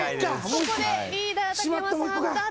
ここでリーダー竹山さん脱落です。